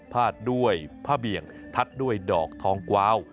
พาดด้วยผ้าเบี่ยงทัดด้วยดอกทองกวาว